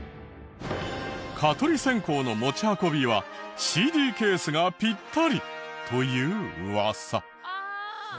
蚊取り線香の持ち運びはＣＤケースがピッタリというウワサ。